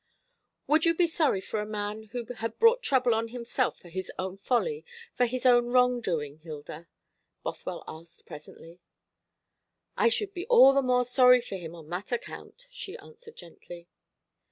"Would you be sorry for a man who had brought trouble on himself from his own folly, from his own wrong doing, Hilda?" Bothwell asked presently. "I should be all the more sorry for him on that account," she answered gently.